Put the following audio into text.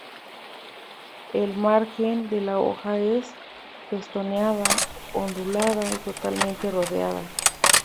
El margen de la hoja es festoneada-ondulada o totalmente redondeada.